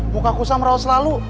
mukaku sam rawat selalu